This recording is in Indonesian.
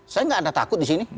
saya nggak ada takut di sini